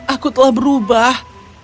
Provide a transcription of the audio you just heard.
aku telah berubah